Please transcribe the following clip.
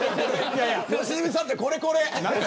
良純さんは、これこれ。